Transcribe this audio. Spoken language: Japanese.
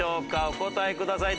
お答えください。